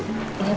terima kasih pak